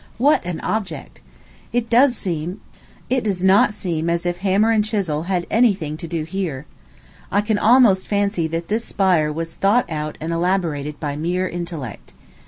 What an object! It does not seem as if hammer and chisel had had any thing to do here. I can almost fancy that this spire was thought out and elaborated by mere intellect.